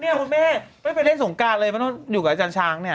เนี่ยคุณแม่ไม่ได้ไปเล่นสงกรานเลยไม่ต้องอยู่กับอาจารย์ช้างเนี่ย